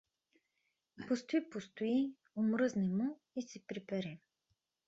Постои, постои — омръзне му и се прибере.